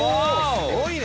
すごいね！